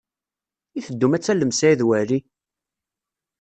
I teddum ad tallem Saɛid Waɛli?